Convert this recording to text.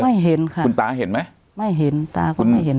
เห็นค่ะคุณตาเห็นไหมไม่เห็นตาก็ไม่เห็น